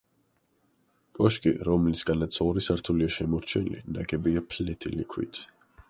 კოშკი, რომლისგანაც ორი სართულია შემორჩენილი ნაგებია ფლეთილი ქვით.